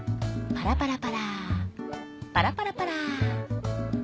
パラパラパラパラパラパラ。